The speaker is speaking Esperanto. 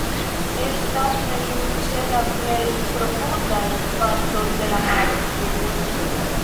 Estas neniu ĉe la plej profundaj partoj de la maro.